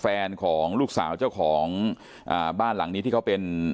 แฟนของลูกสาวเจ้าของอ่าบ้านหลังนี้ที่เขาเป็น